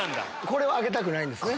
これは上げたくないんですね。